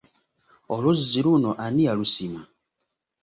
Oluzzi luno ani yalusima?